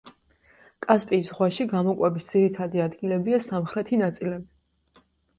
კასპიის ზღვაში გამოკვების ძირითადი ადგილებია სამხრეთი ნაწილები.